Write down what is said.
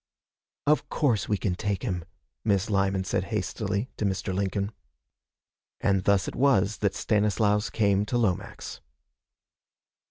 'Of course we can take him,' Miss Lyman said hastily to Mr. Lincoln. And thus it was that Stanislaus came to Lomax.